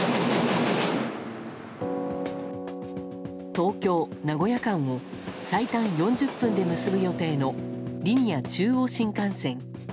東京名古屋間を最短４０分で結ぶ予定のリニア中央新幹線。